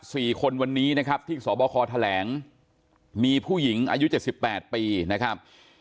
สี่คนวันนี้นะครับที่สบคแถลงมีผู้หญิงอายุเจ็ดสิบแปดปีนะครับ